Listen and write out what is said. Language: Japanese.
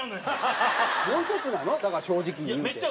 だから正直に言うて。